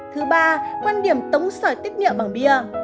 thứ ba quan điểm tống sỏi tiết nhiệm bằng bia